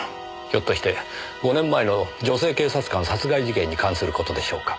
ひょっとして５年前の女性警察官殺害事件に関する事でしょうか？